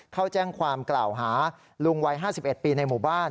เข้าแจ้งความกล่าวหาลุงวัย๕๑ปีในหมู่บ้าน